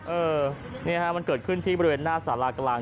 เออนี่ฮะมันเกิดขึ้นที่บริเวณหน้าสารากลาง